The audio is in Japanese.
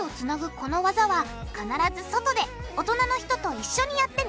このワザは必ず外で大人の人と一緒にやってね